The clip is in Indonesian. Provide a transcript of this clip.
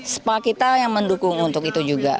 spa kita yang mendukung untuk itu juga